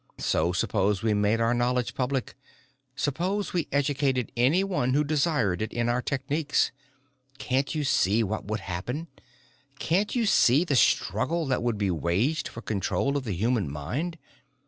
"So suppose we made our knowledge public. Suppose we educated anyone who desired it in our techniques. Can't you see what would happen? Can't you see the struggle that would be waged for control of the human mind?